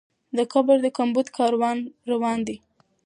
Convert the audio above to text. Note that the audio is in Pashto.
د قبر د ګمبد کار روان دی.